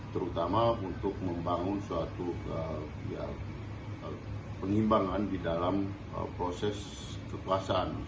terutama untuk membangun suatu pengimbangan di dalam proses kekuasaan